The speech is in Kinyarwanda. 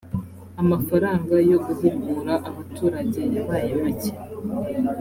amafaranga yo guhugura abaturage yabaye make